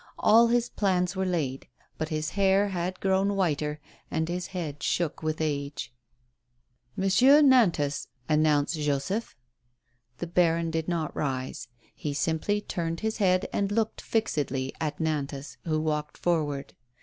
All his plans were laid. But his hair had grown whiter, and his head shook with age. Monsieur Nantas," announced Joseph. The baron did not rise. He simply turned his head and looked fixedly at Nantas, who walked forward.